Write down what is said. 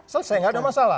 selesai tidak ada masalah